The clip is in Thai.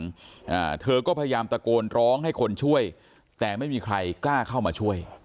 อ่าเธอก็พยายามตะโกนร้องให้คนช่วยแต่ไม่มีใครกล้าเข้ามาช่วย